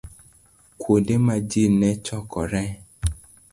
Kuonde ma ji ne chokoree